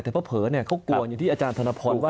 เพราะเผลอเขากลัวอย่างที่อาจารย์ธรรมะพลว่า